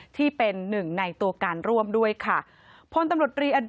ที่เป็นหนึ่งในตัวการร่วมด้วยค่ะ